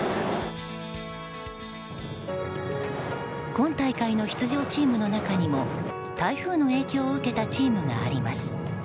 今大会の出場チームの中にも台風の影響を受けたチームがあります。